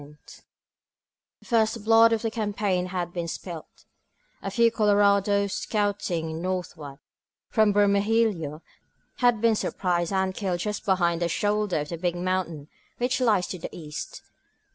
The first blood of the campaign had been spilt; a few colorados scouting northward from Bermejillo had been surprised and killed just behind the shoulder of the big mountain which lies to the east.